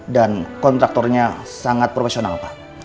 dan kontraktornya sangat profesional pak